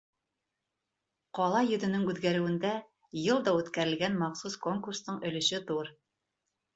Ҡала йөҙөнөң үҙгәреүендә йыл да үткәрелгән махсус конкурстың өлөшө ҙур.